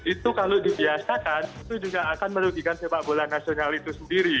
itu kalau dibiasakan itu juga akan merugikan sepak bola nasional itu sendiri